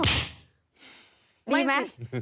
ดีไหม